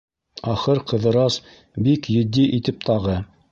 Ахыр Ҡыҙырас, бик етди итеп, тағы: